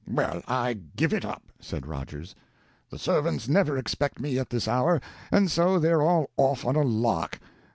"Well, I give it up," said Rogers. "The servants never expect me at this hour, and so they're all off on a lark.